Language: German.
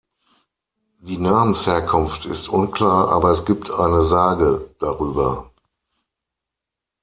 Die Namensherkunft ist unklar, aber es gibt eine Sage darüber.